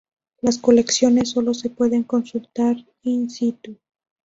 Las colecciones solo se pueden consultar in situ.